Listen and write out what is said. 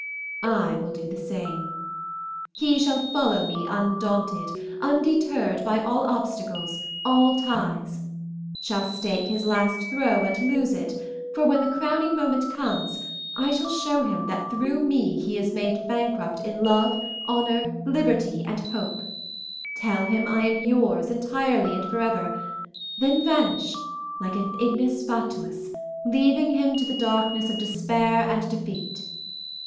I will do the same. He shall follow me undaunted, undeterred by all obstacles, all ties; shall stake his last throw and lose it, for when the crowning moment comes I shall show him that through me he is made bankrupt in love, honor, liberty, and hope, tell him I am yours entirely and forever, then vanish like an ignis fatuus, leaving him to the darkness of despair and defeat.